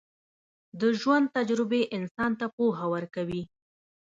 د ژوند تجربې انسان ته پوهه ورکوي.